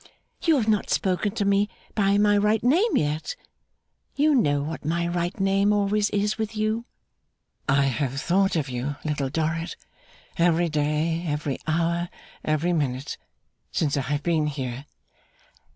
'You have not spoken to me by my right name yet. You know what my right name always is with you.' 'I have thought of you, Little Dorrit, every day, every hour, every minute, since I have been here.